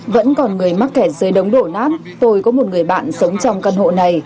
vẫn còn người mắc kẹt dưới đống đổ nát tôi có một người bạn sống trong căn hộ này